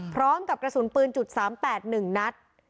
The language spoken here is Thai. พร้อมกับกระสุนปืน๓๘๑นัด